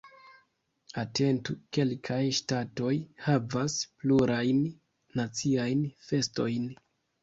Atentu: Kelkaj ŝtatoj havas plurajn naciajn festojn.